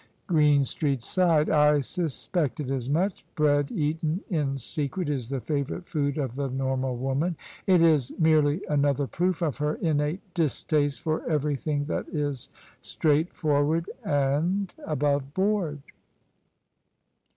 Greenstreet si^ed. " I suspected as much. Bread eaten in secret is the favourite food of the normal woman. It is merely another proof of her innate distaste for everything that is straightforward and above board."